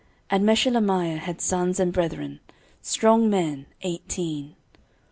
13:026:009 And Meshelemiah had sons and brethren, strong men, eighteen.